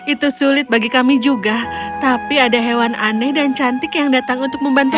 itu sulit bagi kami juga tapi ada hewan aneh dan cantik yang datang untuk membantu